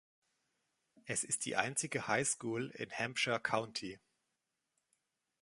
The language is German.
Es ist die einzige High School in Hampshire County.